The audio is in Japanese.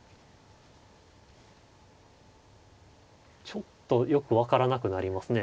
ちょっとよく分からなくなりますね。